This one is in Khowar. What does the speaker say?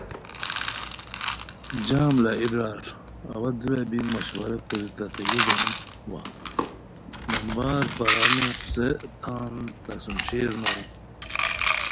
جام لہ! ایے برار اوا دُورا بی مشورہ کوری تتین لُودوم وا، نمبر پرانو ہسے تان تہ سُم شیرنو